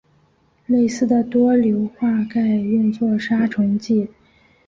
类似的多硫化钙用作杀虫剂。